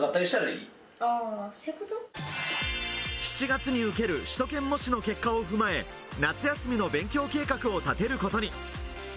７月に受ける首都圏模試の結果を踏まえ夏休みの勉強計画を立てることに。